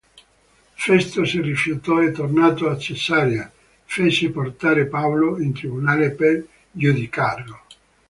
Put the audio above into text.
Festo si rifiutò e tornato a Cesarea fece portare Paolo in tribunale per giudicarlo.